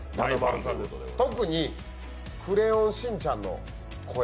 特に「クレヨンしんちゃん」の声